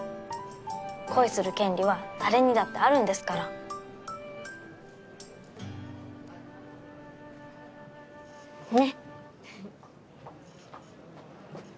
恋する権利は誰にだってあるんですから。ね！